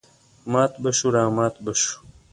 مات به شوو رامات به شوو.